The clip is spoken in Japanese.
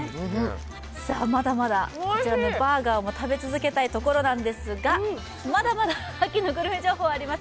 まだまだこちらのバーガーも食べ続けたいところなんですが、まだまだ秋のグルメ情報があります。